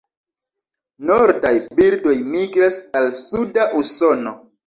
Nordaj birdoj migras al suda Usono.